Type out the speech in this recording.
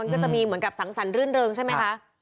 ก็จะมีเหมือนกับสังสรรครื่นเริงใช่ไหมคะ